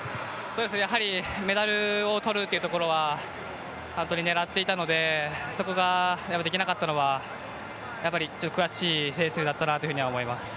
やはりメダルを取るというところは本当に狙っていたのでそこができなかったのはやっぱり悔しいレースだったなと思います。